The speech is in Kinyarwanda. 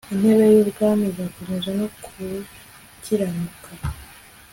intebe ye y ubwami izakomezwa no gukiranuka w